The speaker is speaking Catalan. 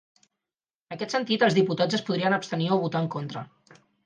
En aquest sentit, els diputats es podrien abstenir o votar en contra.